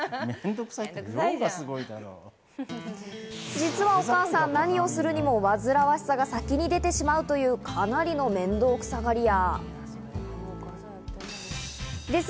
実はお母さん、何をするにも煩わしさが先に出てしまうという、かなりの面倒くさがり屋。